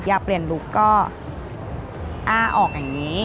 อยากเปลี่ยนลุคก็อ้าออกอย่างนี้